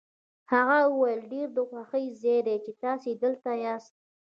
هغه وویل ډېر د خوښۍ ځای دی چې تاسي دلته یاست.